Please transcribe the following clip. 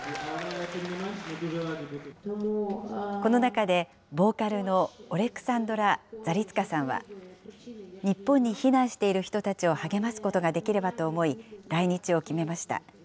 この中で、ボーカルのオレクサンドラ・ザリツカさんは、日本に避難している人たちを励ますことができればと思い、来日を決めました。